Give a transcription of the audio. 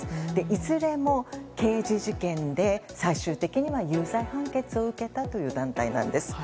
いずれも刑事事件で最終的に有罪判決を受けたという団体なんです。